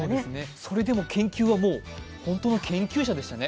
それでも研究は、本当の研究者でしたね。